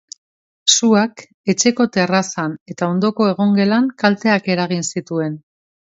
Suak etxeko terrazan eta ondoko egongelan kalteak eragin zituen.